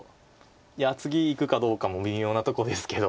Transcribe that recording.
いや次いくかどうかも微妙なとこですけど。